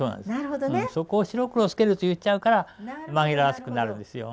そこを白黒つけるって言っちゃうから紛らわしくなるんですよ。